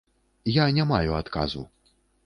Я не маю адказу.